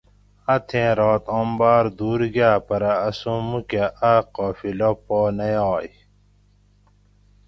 اتھیں رات آم باۤر دور گاۤ پرہ اسوں موُکہ اَ قافلہ پا نہ یائ